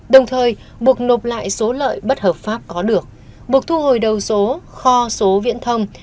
đồng thời buộc nộp lại số lợi bất hợp pháp có được buộc thu hồi đầu số kho số viễn thông